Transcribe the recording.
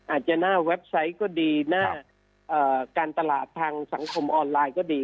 หน้าเว็บไซต์ก็ดีหน้าการตลาดทางสังคมออนไลน์ก็ดี